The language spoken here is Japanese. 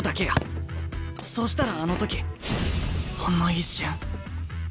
そうしたらあの時ほんの一瞬。